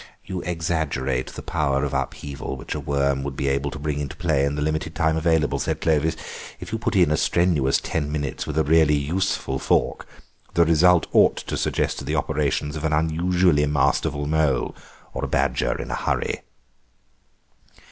"You exaggerate the power of upheaval which a worm would be able to bring into play in the limited time available," said Clovis; "if you put in a strenuous ten minutes with a really useful fork, the result ought to suggest the operations of an unusually masterful mole or a badger in a hurry."